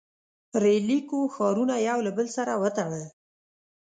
• ریل لیکو ښارونه یو له بل سره وتړل.